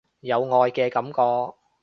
有愛嘅感覺